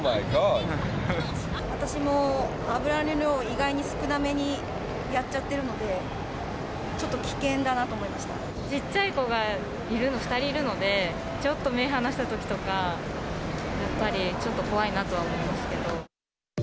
私も油の量、意外に少なめにやっちゃってるので、ちょっと危険だなって思いまちっちゃい子がいるの、２人いるので、ちょっと目離したときとか、やっぱりちょっと怖いなとは思いますけど。